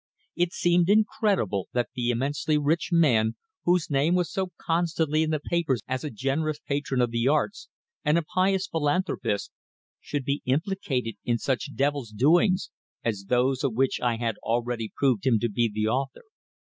It seemed incredible that the immensely rich man whose name was so constantly in the papers as a generous patron of the arts, and a pious philanthropist, should be implicated in such devil's doings as those of which I had already proved him to be the author.